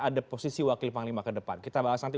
ada posisi wakil panglima ke depan kita bahas nanti